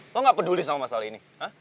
lo gak peduli sama masalah ini